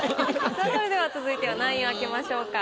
さあそれでは続いては何位を開けましょうか？